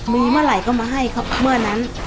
มีเมื่อไหร่ก็มาให้ครับเมื่อนั้น